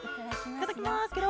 いただきますケロ。